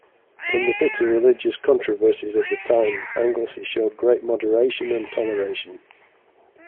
In the bitter religious controversies of the time Anglesey showed great moderation and toleration.